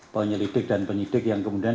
penyelidik dan penyidik yang kemudian